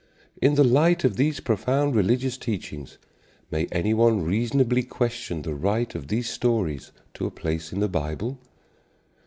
In the light of these profound religious teachings may any one reasonably question the right of these stories to a place in the Bible?